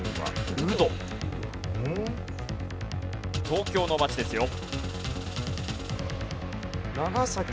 東京の街ですよ。